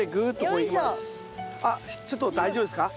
あっちょっと大丈夫ですか？